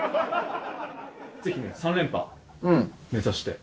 ぜひね、３連覇目指して。